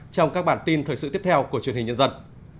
trong các bản tin thời sự tiếp theo của truyền hình nhân dân